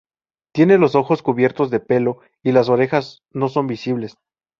Tiene los ojos cubiertos de pelo y las orejas no son visibles.